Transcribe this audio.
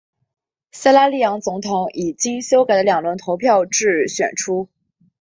塞拉利昂总统以经修改的两轮投票制选出。